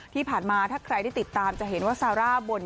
ที่ผ่านมาถ้าใครได้ติดตามจะเห็นว่าซาร่าบ่น